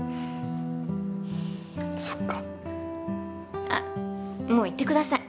そっかあっもう行ってください